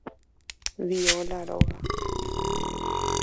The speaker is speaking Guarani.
Viola róga.